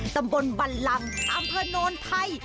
ตำบลบัลลังค์อำเภนนทัย